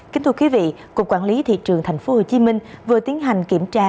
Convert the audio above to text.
kính thưa quý vị cục quản lý thị trường tp hcm vừa tiến hành kiểm tra